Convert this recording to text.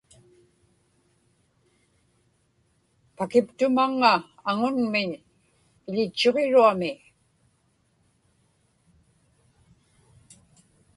pakiptumaŋŋa aŋunmiñ iḷitchuġiruami